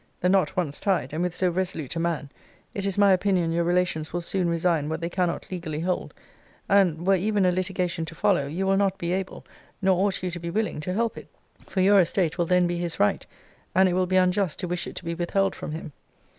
The knot once tied, and with so resolute a man, it is my opinion your relations will soon resign what they cannot legally hold: and, were even a litigation to follow, you will not be able, nor ought you to be willing, to help it: for your estate will then be his right; and it will be unjust to wish it to be withheld from him.